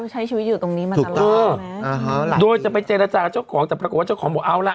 ใช้ชีวิตอยู่ตรงนี้มาตลอดโดยจะไปเจรจากับเจ้าของแต่ปรากฏว่าเจ้าของบอกเอาล่ะ